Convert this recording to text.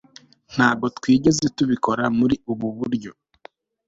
Ntabwo twigeze tubikora muri ubu buryo